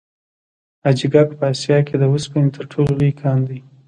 حاجي ګک په اسیا کې د وسپنې تر ټولو لوی کان دی.